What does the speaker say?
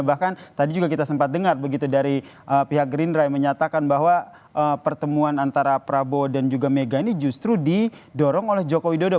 bahkan tadi juga kita sempat dengar begitu dari pihak gerindra yang menyatakan bahwa pertemuan antara prabowo dan juga mega ini justru didorong oleh joko widodo